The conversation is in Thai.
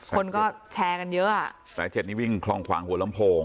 คนก็แชร์กันเยอะแต่๗นี้วิ่งคล่องขวางหัวลำโพง